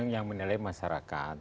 yang menilai masyarakat